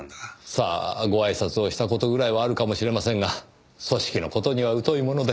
さあご挨拶をした事ぐらいはあるかもしれませんが組織の事には疎いもので。